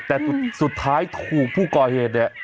แต่สุดท้ายถูกผู้ก่อเหตุเนี่ย